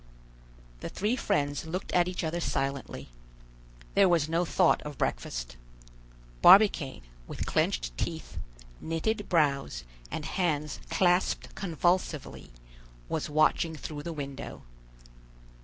The three friends looked at each other silently. There was no thought of breakfast. Barbicane, with clenched teeth, knitted brows, and hands clasped convulsively, was watching through the window.